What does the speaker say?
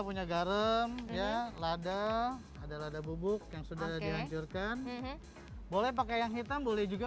punya garam ya lada ada lada bubuk yang sudah dihancurkan boleh pakai yang hitam boleh juga